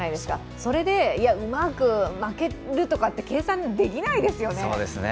それでいやうまく負けるとかって計算できないですよね。